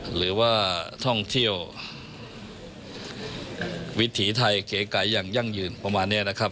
หรือว่าท่องเที่ยววิถีไทยเก๋ไก่อย่างยั่งยืนประมาณนี้นะครับ